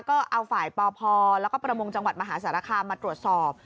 ก็เอาฝ่ายปพแล้วก็ประมงจังหวัดมหาสารคามมาตรวจสอบ